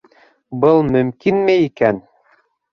Был мөмкинме икән?